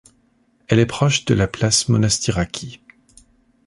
Elle est proche de la place Monastiráki.